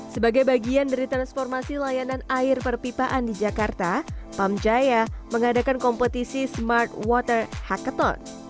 sebagai bagian dari transformasi layanan air perpipaan di jakarta pam jaya mengadakan kompetisi smart water hack town